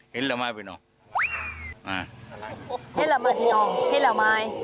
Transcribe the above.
เห็นหรือไม่พี่น้องเห็นหรือไม่